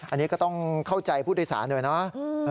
อันนี้ก็ต้องเข้าใจผู้โดยสารหน่อยเนาะ